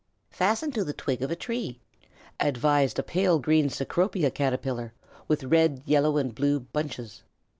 "Fasten to the twig of a tree," advised a pale green Cecropia Caterpillar with red, yellow, and blue bunches.